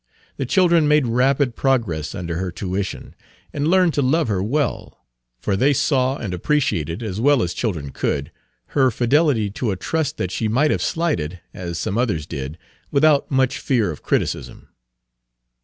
The children made rapid progress under her tuition, and learned to love her well; for they saw and appreciated, as well as children could, her fidelity to a trust that she might have slighted, as some others did, without much fear of criticism.